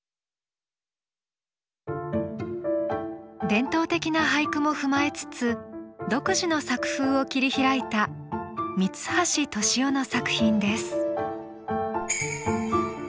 伝統的な俳句も踏まえつつ独自の作風を切り開いた三橋敏雄の作品です。